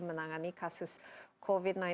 menangani kasus covid sembilan belas